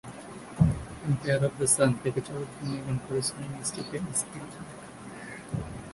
Empire of the sun থেকে চলচ্চিত্র নির্মাণ করেছিলেন স্টিভেন স্পিলবার্গ।